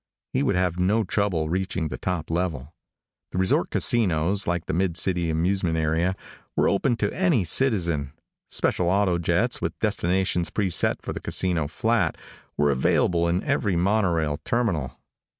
He would have no trouble reaching the top level. The resort casinos, like the mid city amusement area, were open to any citizen. Special autojets, with destinations pre set for the casino flat, were available in every monorail terminal.